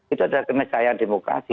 itu adalah gemisahaya demokrasi